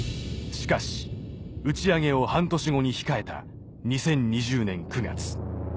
・しかし打ち上げを半年後に控えた２０２０年９月突然の延期発表